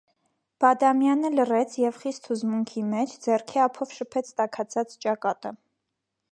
Բադամյանը լռեց և, խիստ հուզմունքի մեջ, ձեռքի ափով շփեց տաքացած ճակատը: